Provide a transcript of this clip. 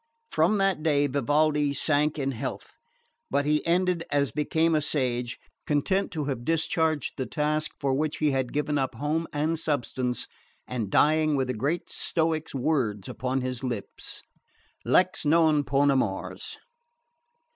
From that day Vivaldi sank in health; but he ended as became a sage, content to have discharged the task for which he had given up home and substance, and dying with the great Stoic's words upon his lips: Lex non poena mors.